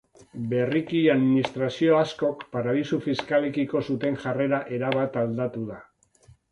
Berriki, administrazio askok paradisu fiskalekiko zuten jarrera erabat aldatu da.